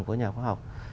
của nhà khoa học